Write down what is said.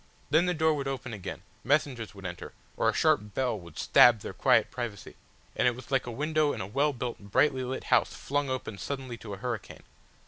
Then the door would open again, messengers would enter, or a sharp bell would stab their quiet privacy, and it was like a window in a well built brightly lit house flung open suddenly to a hurricane.